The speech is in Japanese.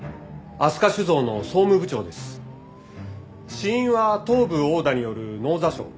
死因は頭部殴打による脳挫傷。